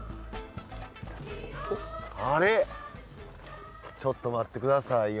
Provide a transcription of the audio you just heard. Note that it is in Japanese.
あれちょっと待って下さいよ